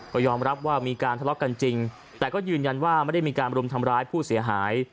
ก็ยอมรับว่ามีการทะเลาะกันจริงแต่ก็ยืนยันว่าไม่ได้มีการรุมทำร้ายผู้เสียหาย